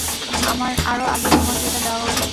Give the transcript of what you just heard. আমার আরো আগেই তোমাকে এটা দেওয়া উচিত ছিল।